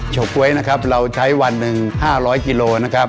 ก๊วยนะครับเราใช้วันหนึ่ง๕๐๐กิโลนะครับ